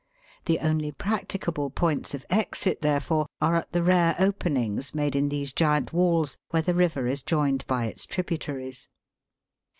The only practicable points of exit, therefore, are at the rare openings made in these giant walls, where the river is joined by its tributaries.